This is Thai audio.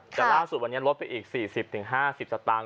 แต่ล่าสุดวันนี้ลดไปอีก๔๐๕๐สตางค